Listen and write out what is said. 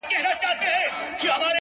ډېوې پوري-